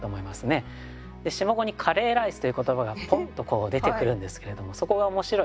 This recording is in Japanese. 下五に「カレーライス」という言葉がポンッと出てくるんですけれどもそこが面白いなと。